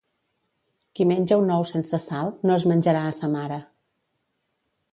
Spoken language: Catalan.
Qui menja un ou sense sal, no es menjarà a sa mare.